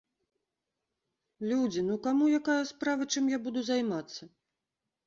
Людзі, ну каму якая справа, чым я буду займацца?